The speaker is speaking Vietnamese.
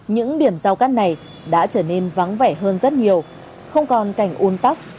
những điểm giao cắt này đã trở nên vắng vẻ hơn rất nhiều không còn cảnh ôn tóc